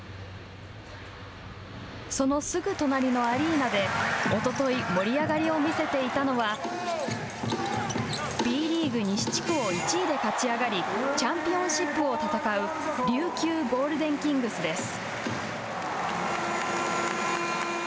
そのすぐ隣のアリーナでおととい、盛り上がりを見せていたのはＢリーグ西地区を１位で勝ち上がりチャンピオンシップを戦う琉球ゴールデンキングスです。